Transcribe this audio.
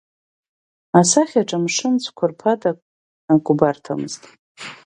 Асахьаҿ амшын цәқәырԥада акы убарҭамызт.